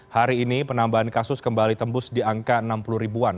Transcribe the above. hari ini penambahan kasus kembali tembus di angka enam puluh ribuan